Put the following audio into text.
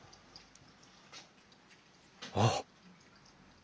あっ！